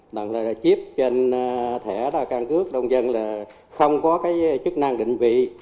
đó là chiếp trên thẻ căn cước đông dân là không có cái chức năng định vị